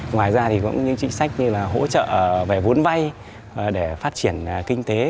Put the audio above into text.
ngoài ra thì cũng những chính sách như là hỗ trợ về vốn vay để phát triển kinh tế